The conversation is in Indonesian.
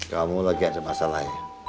kamu lagi ada masalahnya